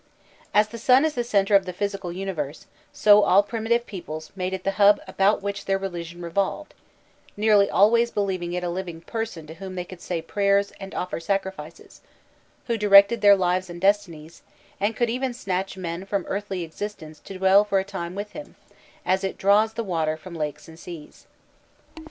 As the sun is the center of the physical universe, so all primitive peoples made it the hub about which their religion revolved, nearly always believing it a living person to whom they could say prayers and offer sacrifices, who directed their lives and destinies, and could even snatch men from earthly existence to dwell for a time with him, as it draws the water from lakes and seas.